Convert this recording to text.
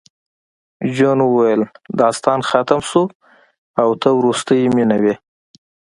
جون وویل داستان ختم شو او ته وروستۍ مینه وې